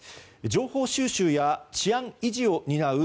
情報収集や治安維持を担う